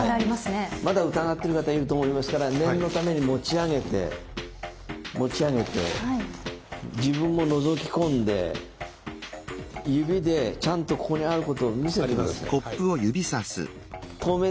まだ疑ってる方いると思いますから念のために持ち上げて持ち上げて自分ものぞき込んで指でちゃんとここにあることを見せて下さい。